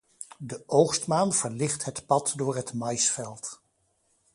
De oogstmaan verlicht het pad door het maïsveld.